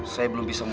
saya belum bisa